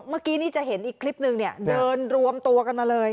เมื่อกี้นี่จะเห็นอีกคลิปนึงเนี่ยเดินรวมตัวกันมาเลย